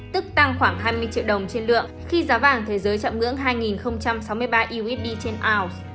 tức tăng khoảng hai mươi triệu đồng trên lượng khi giá vàng thế giới chạm ngưỡng hai sáu mươi ba usd trên ounce